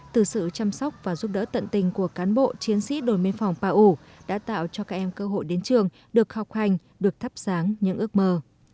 từ sự chăm sóc và giúp đỡ tận tình của cán bộ chiến sĩ đồn biên phòng pa u đã tạo cho các em cơ hội đến trường được học hành được thắp sáng những ước mơ